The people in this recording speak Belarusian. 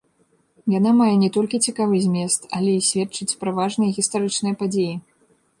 Яна мае не толькі цікавы змест, але і сведчыць пра важныя гістарычныя падзеі.